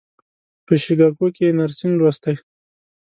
په شیکاګو کې یې نرسنګ لوستی.